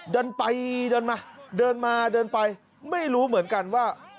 เดินไปเดินมาเดินมาเดินไปไม่รู้เหมือนกันว่า